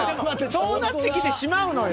そうなってきてしまうのよ。